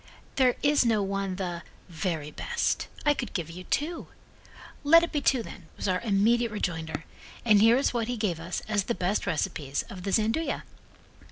"There is no one the 'very best'. I could give you two." "Let it be two, then," was our immediate rejoinder, and here is what he gave us as the best recipes of the Gianduja.